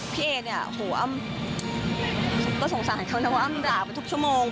พี่เอเนี่ยโหอ้ำก็สงสารเขานะว่าอ้ำด่าไปทุกชั่วโมง